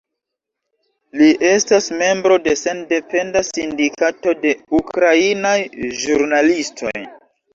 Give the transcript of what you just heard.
Li estas membro de sendependa sindikato de ukrainaj ĵurnalistoj.